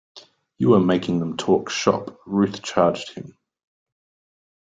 You were making them talk shop, Ruth charged him.